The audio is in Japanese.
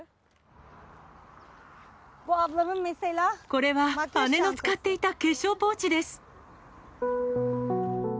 これは姉の使っていた化粧ポーチです。